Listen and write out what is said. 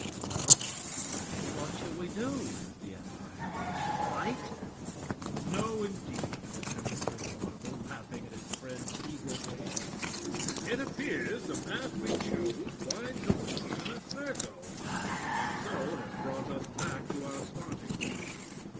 "Well, what shall we do?" asked the esquire; "fight?" "No, indeed!" returned Prince Marvel, laughing at his friend's eager face. "It appears the path we chose winds around in a circle, and so has brought us back to our starting point.